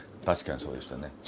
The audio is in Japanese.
確かにそうでしたね。